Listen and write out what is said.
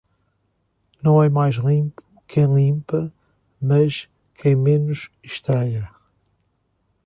Não é mais limpo quem limpa mas quem menos estraga.